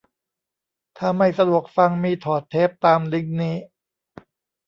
ถ้าไม่สะดวกฟัง มีถอดเทปตามลิงก์นี้